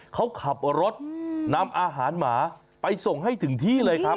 เขาขับรถนำอาหารหมาไปส่งให้ถึงที่เลยครับ